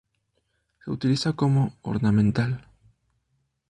Se utiliza como ornamental.